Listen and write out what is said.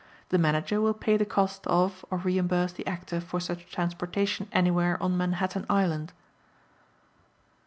The Manager will pay the cost of or reimburse the Actor for such transportation anywhere on Manhattan Island.